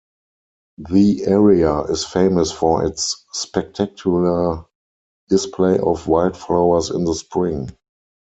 The area is famous for its spectacular display of wildflowers in the spring.